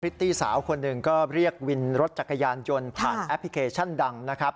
ตตี้สาวคนหนึ่งก็เรียกวินรถจักรยานยนต์ผ่านแอปพลิเคชันดังนะครับ